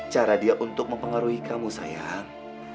cara dia untuk mempengaruhi kamu sayang